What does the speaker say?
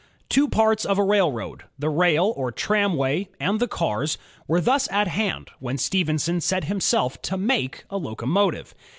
Two parts of a railroad, the rail or tramway and the cars, were thus at hand when Stephenson set himself to make a locomotive.